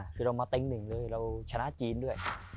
คือเรามาเต้นก่อนเล่นเลยเราชนะจีนด้วย